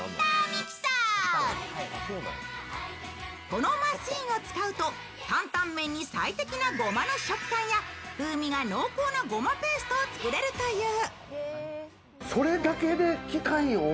このマスィーンを使うと、タンタン麺に最適なごまの食感や風味が濃厚なごまペーストを作れるという。